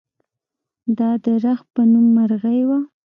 دا د رخ په نوم مرغۍ وه.